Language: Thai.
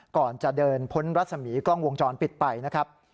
ก่อนจะเดินพ้นรัศมีกล้องวงจรปิดไปนะครับ